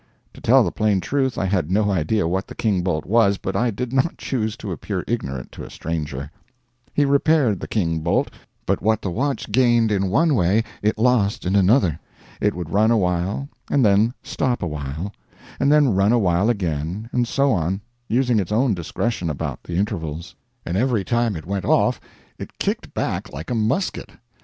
To tell the plain truth, I had no idea what the king bolt was, but I did not choose to appear ignorant to a stranger. He repaired the king bolt, but what the watch gained in one way it lost in another. It would run awhile and then stop awhile, and then run awhile again, and so on, using its own discretion about the intervals. And every time it went off it kicked back like a musket.